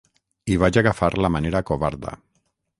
I vaig agafar la manera covarda.